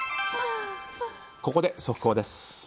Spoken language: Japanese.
ここで速報です。